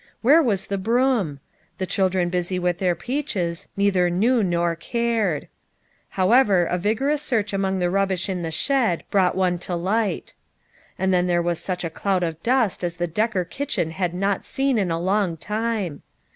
Where was the broom? The children busy with their peaches, neither knew nor cared ; however, a vigorous search among the rubbish in the shed BEGINNING HER LIFE. 35 brought one to light. And then there was such a cloud of dust as the Decker kitchen had not seen in a long time.